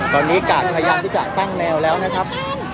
ตอนนี้กาดพยายามที่จะตั้งแนวแล้วนะครับ